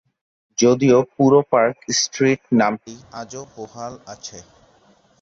যদিও পুরনো Park Street নামটি আজও বহুল প্রচলিত।